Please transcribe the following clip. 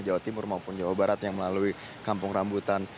jawa timur maupun jawa barat yang melalui kampung rambutan